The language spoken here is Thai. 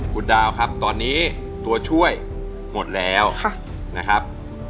คุณดาวครับตอนนี้ตัวช่วยหมดแล้วนะครับ